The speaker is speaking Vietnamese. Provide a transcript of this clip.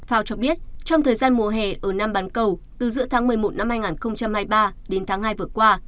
fao cho biết trong thời gian mùa hè ở nam bán cầu từ giữa tháng một mươi một năm hai nghìn hai mươi ba đến tháng hai vừa qua